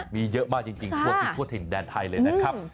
มีเยอะมากจริงทั่วทิศทั่วถิ่นแดนไทยเลยนะครับ